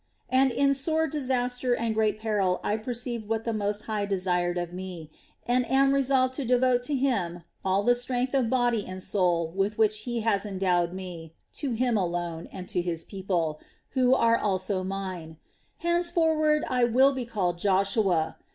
"And in sore disaster and great peril I perceived what the Most High desired of me, and am resolved to devote to Him all the strength of body and soul with which He has endowed me, to Him alone, and to His people, who are also mine. Henceforward I will be called Joshua...